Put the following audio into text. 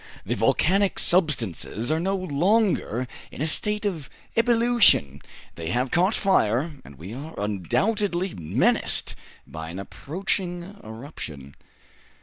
The volcanic substances are no longer in a state of ebullition, they have caught fire, and we are undoubtedly menaced by an approaching eruption."